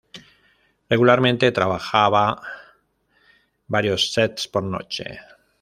Regularmente trabajaba varios sets por noche.